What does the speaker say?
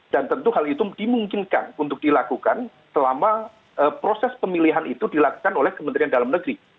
dan tentu hal itu dimungkinkan untuk dilakukan selama proses pemilihan itu dilakukan oleh kementerian dalam negeri